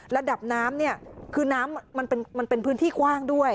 ระดับน้ำเนี่ยคือน้ำมันเป็นพื้นที่กว้างด้วย